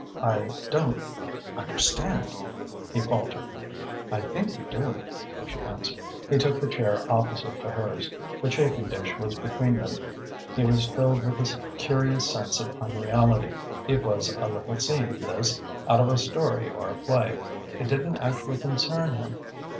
"I don't understand," he faltered. "I think you do," she answered. He took the chair opposite to hers. The chafing dish was between them. He was filled with a curious sense of unreality. It was a little scene, this, out of a story or a play. It didn't actually concern him.